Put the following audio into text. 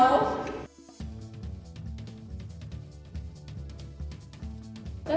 คุณสนุกเลย